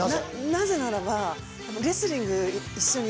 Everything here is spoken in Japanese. なぜならば。